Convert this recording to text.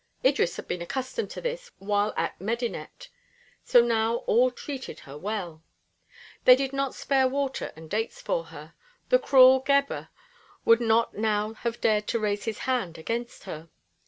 Idris had been accustomed to this while at Medinet; so now all treated her well. They did not spare water and dates for her. The cruel Gebhr would not now have dared to raise his hand against her.